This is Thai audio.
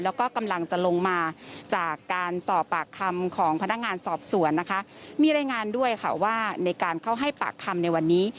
แล้วก็กำลังจะลงมาจากการสอบปากคำของพนักงานสอบสวนนะคะมีรายงานด้วยค่ะว่าในการเข้าให้ปากคำในวันนี้